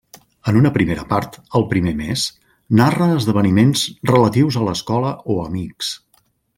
En una primera part, el primer mes, narra esdeveniments relatius a l'escola o amics.